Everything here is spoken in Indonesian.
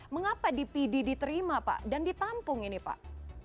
mengapa di pidi diterima pak dan ditampung ini pak